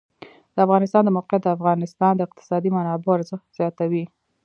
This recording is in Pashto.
د افغانستان د موقعیت د افغانستان د اقتصادي منابعو ارزښت زیاتوي.